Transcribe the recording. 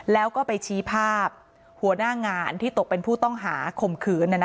แล้วก็ไปชี้ภาพหัวหน้างานที่ตกเป็นผู้ต้องหาข่มขืน